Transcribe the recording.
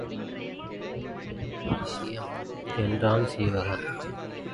இந்த ஊரில் என்ன விசேஷம்? என்றான் சீவகன்.